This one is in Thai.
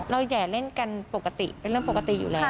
แห่เล่นกันปกติเป็นเรื่องปกติอยู่แล้ว